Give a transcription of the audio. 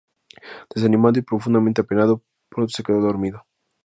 Desanimado y profundamente apenado, pronto se quedó dormido.